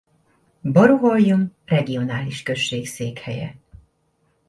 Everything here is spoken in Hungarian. Bornholm regionális község székhelye.